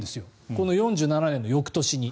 この４７年の翌年に。